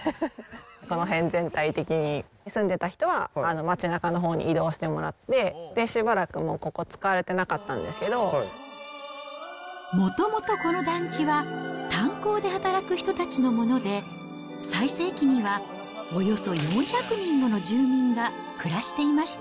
この辺全体的に、住んでた人は街なかのほうに移動してもらって、しばらくここ使わもともとこの団地は、炭鉱で働く人たちのもので、最盛期にはおよそ４００人もの住民が暮らしていました。